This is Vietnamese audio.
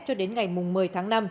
cho đến ngày một mươi tháng năm